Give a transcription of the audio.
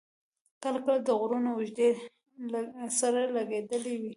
کله کله د غرونو اوږې سره لګېدلې وې.